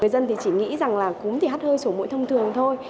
người dân thì chỉ nghĩ rằng là cúm thì hắt hơi sổ mũi thông thường thôi